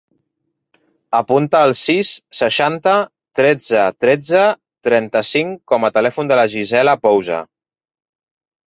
Apunta el sis, seixanta, tretze, tretze, trenta-cinc com a telèfon de la Gisela Pousa.